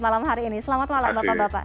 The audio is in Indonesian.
malam hari ini selamat malam bapak bapak